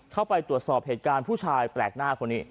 เข้าไปตรวจสอบเหตุการณ์ผู้ชายแปลกหน้าคนนี้